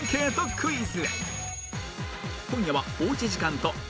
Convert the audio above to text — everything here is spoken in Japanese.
クイズ。